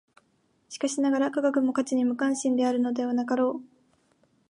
しかしながら、科学も価値に無関心であるのではなかろう。